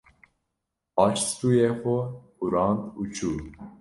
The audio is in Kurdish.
Paş stûyê xwe xurand û çû